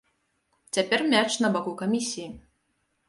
Цяпер мяч на баку камісіі.